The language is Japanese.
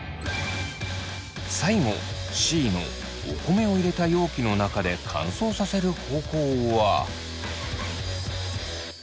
最後Ｃのお米を入れた容器の中で乾燥させる方法は。